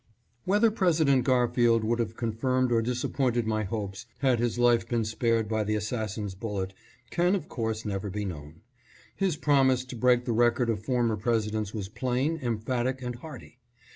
WHETHER President Garfield would have con firmed or disappointed my hopes had his life been spared by the assassin's bullet can, of course, never be known. His promise to break the record of formei Presidents was plain, emphatic and hearty.